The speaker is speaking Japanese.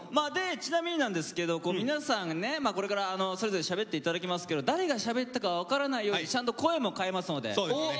ちなみになんですけど皆さんねこれからそれぞれしゃべって頂きますけど誰がしゃべったかは分からないようにちゃんと声も変えますので。